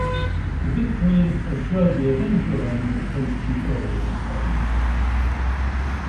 The victory assured the eventual end of French control in Spain.